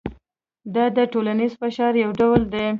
دا د ټولنیز فشار یو ډول دی.